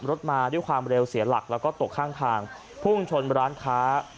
รถมาด้วยความเร็วเสียหลักแล้วก็ตกข้างทางพุ่งชนร้านค้า